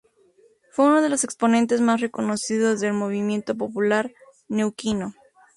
Fue uno de los exponentes más reconocidos del Movimiento Popular Neuquino.